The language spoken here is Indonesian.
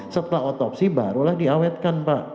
setelah otopsi barulah diawetkan pak